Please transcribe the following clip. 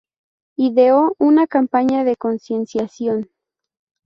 ideó una campaña de concienciación